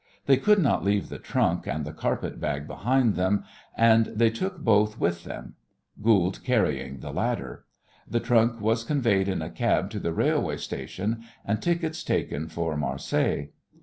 They could not leave the trunk and the carpet bag behind them, and they took both with them, Goold carrying the latter. The trunk was conveyed in a cab to the railway station, and tickets taken for Marseilles.